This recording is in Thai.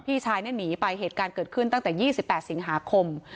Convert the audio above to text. พี่ชายเนี่ยหนีไปเหตุการณ์เกิดขึ้นตั้งแต่๒๘สิงหาคม